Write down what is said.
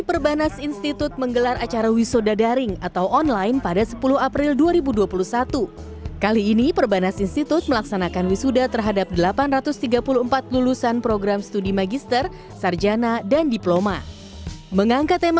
perbanas institut melaksanakan wisuda daring